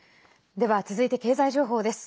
では、続いて経済情報です。